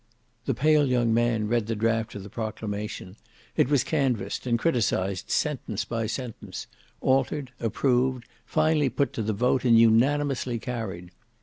The pale young man read the draft of the proclamation; it was canvassed and criticised sentence by sentence; altered, approved: finally put to the vote, and unanimously carried.